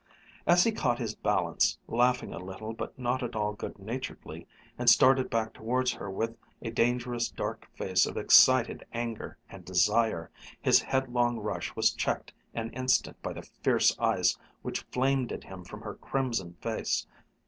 As he caught his balance, laughing a little but not at all good naturedly, and started back towards her with a dangerous dark face of excited anger and desire, his headlong rush was checked an instant by the fierce eyes which flamed at him from her crimson face.